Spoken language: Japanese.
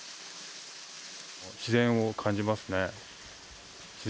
自然を感じますね。